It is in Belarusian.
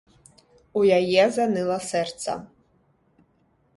У яе заныла сэрца.